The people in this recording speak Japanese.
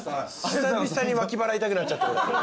久々に脇腹痛くなっちゃった。